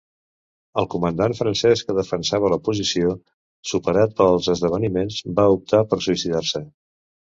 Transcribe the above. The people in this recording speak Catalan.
El comandant francès que defensava la posició, superat pels esdeveniments, va optar per suïcidar-se.